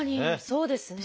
そうですね。